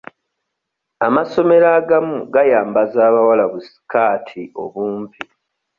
Amasomero agamu gayambaza abawala bu sikaati obumpi.